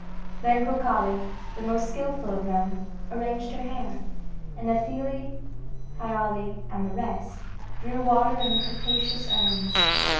Then Crocale, the most skilful of them, arranged her hair, and Nephele, Hyale, and the rest drew water in capacious urns.